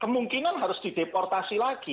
kemungkinan harus dideportasi lagi